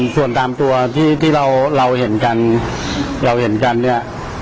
ส่วนตามตัวที่เราเห็นกันเนี่ย